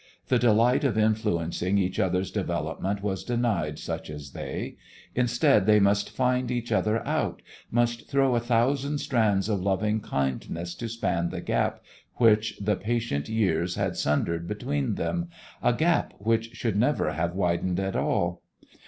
The delight of influencing each other's development was denied such as they; instead, they must find each other out, must throw a thousand strands of loving kindness to span the gap which the patient years had sundered between them, a gap which should never have widened at all.